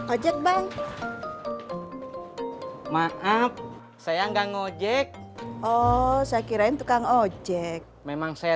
ojek bang maaf saya enggak ngojek oh saya kirain tukang ojek memang saya